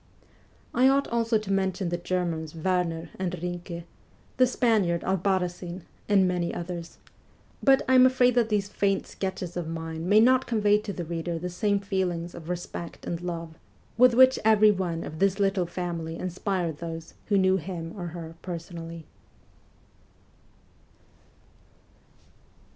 I ought also to mention the Germans Werner and Binke, the Spaniard Albarracin, and many others ; but I am afraid that these faint sketches of mine may not convey to the reader the same feelings of respect and love with which every one of this little family inspired those who knew him or her personally.